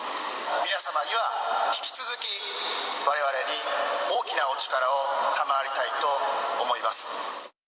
皆様には引き続き、われわれに大きなお力をたまわりたいと思います。